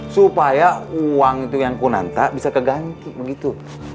supaya uang itu yang kunanta bisa keganti begitu